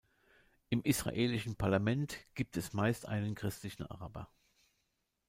Im Israelischen Parlament gibt es meist einen christlichen Araber.